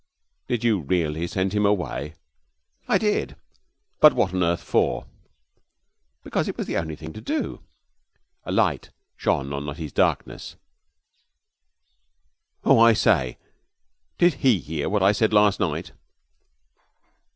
'Did you really send him away?' 'I did.' 'But what on earth for?' 'Because it was the only thing to do.' A light shone on Nutty's darkness. 'Oh, I say, did he hear what I said last night?'